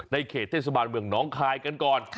เขตเทศบาลเมืองน้องคายกันก่อน